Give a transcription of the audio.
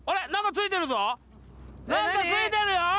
何かついてるよ！